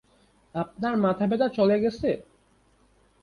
আপনার মাথা ব্যাথা চলে গেছে?